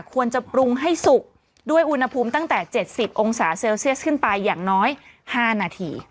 ควรจะปรุงให้สุกด้วยอุณหภูมิตั้งแต่๗๐องศาเซลเซียสขึ้นไปอย่างน้อย๕นาที